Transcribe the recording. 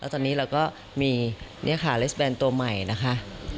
ตอนนี้เราก็มีนี่ค่ะเลสแบนตัวใหม่นะคะ